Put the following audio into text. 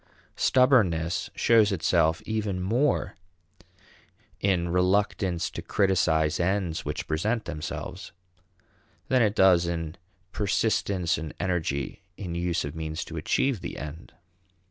Stubbornness shows itself even more in reluctance to criticize ends which present themselves than it does in persistence and energy in use of means to achieve the end.